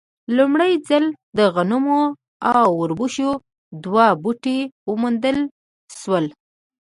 لومړی ځل د غنمو او اوربشو دوه بوټي وموندل شول.